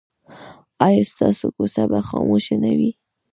ایا ستاسو کوڅه به خاموشه نه وي؟